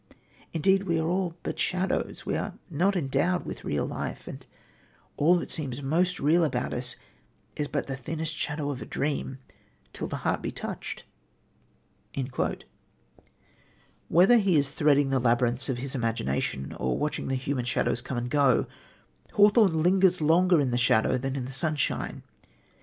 Indeed we are but shadows, we are not endowed with real life, and all that seems most real about us is but the thinnest shadow of a dream till the heart be touched." Whether he is threading the labyrinths of his imagination or watching the human shadows come and go, Hawthorne lingers longer in the shadow than in the sunshine.